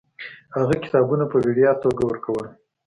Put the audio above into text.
هغه کتابونه په وړیا توګه ورکول.